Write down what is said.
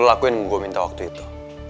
lo lakuin yang gue minta waktu itu